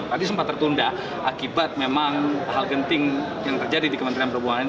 tadi sempat tertunda akibat memang hal genting yang terjadi di kementerian perhubungan